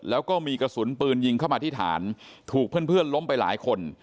แล้วก็มีกระสุนปืนยิงเข้ามาที่ฐานถูกเพื่อนล้มไปหลายคน